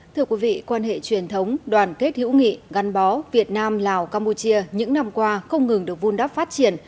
thưa quý vị quan hệ truyền thống đoàn kết hữu nghị gắn bó việt nam lào campuchia những năm qua không ngừng được vun đắp phát triển